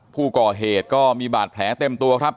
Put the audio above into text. ผู้ก่อเหตุก็มีบาดแผลเต็มตัวครับ